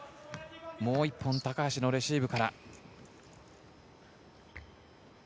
もう一本、高橋のレシーブから。